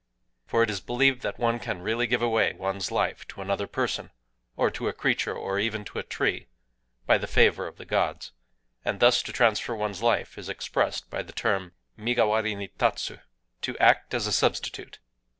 (For it is believed that one can really give away one's life to another person, or to a creature or even to a tree, by the favor of the gods;—and thus to transfer one's life is expressed by the term migawari ni tatsu, "to act as a substitute.")